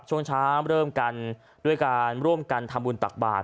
ช่วงเช้าเริ่มกันด้วยการร่วมกันทำบุญตักบาท